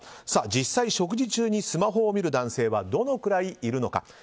実際に食事中にスマホを見る男性はどのくらいいるのか。